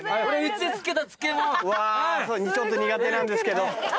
ちょっと苦手なんですけど。